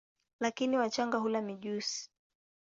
Lakini wachanga hula mijusi.